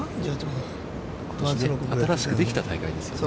新しくできた大会ですよね。